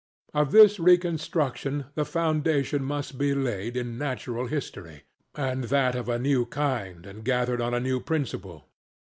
Of this reconstruction the foundation must be laid in natural history, and that of a new kind and gathered on a new principle.